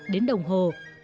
đến đồng hồ